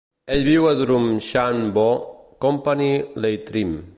Ell viu a Drumshanbo, Company Leitrim.